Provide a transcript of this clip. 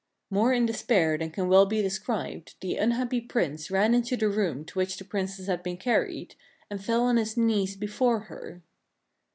More in despair than can well be described, the unhappy Prince ran into the room to which the Princess had been carried, and fell on his knees before her.